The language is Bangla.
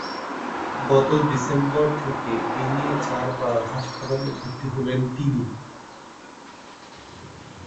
গত ডিসেম্বর থেকে এ নিয়ে চারবার হাসপাতালে ভর্তি হলেন তিনি।